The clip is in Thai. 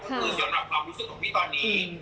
ก็คือสำหรับความรู้สึกของพี่ตอนนี้